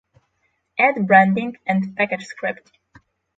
Add branding and package script